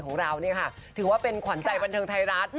ของเราเนี่ยค่ะถือว่าเป็นขวัญใจบันเทิงไทยรัฐ